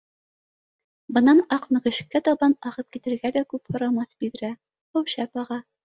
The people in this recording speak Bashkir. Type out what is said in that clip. Бынан Аҡнөгөшкә табан ағып китергә лә күп һорамаҫ биҙрә, һыу шәп аға